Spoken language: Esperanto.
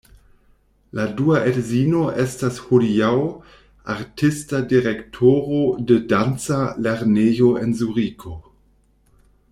La dua edzino estas hodiaŭ artista direktoro de danca lernejo en Zuriko.